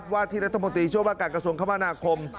ว่าที่รัฐมนตรีช่วยว่าการกระทรวงคมนาคม